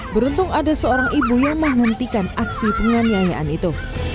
beruntung ada seorang ibu yang menghentikan aksi penganiayaan itu